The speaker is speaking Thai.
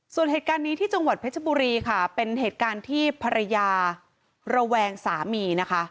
ส่วนเหตุการณ์นี้ที่จังหวัดเพชรบุรีค่ะเป็นเหตุการณ์ที่ภรรยาระแวงสามีนะคะ